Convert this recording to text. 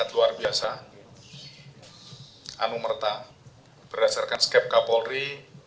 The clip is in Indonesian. yang kedua yang luar biasa anu merta berdasarkan skep k polri